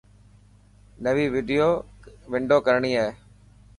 نوي ونڊو ڪراڻي هي.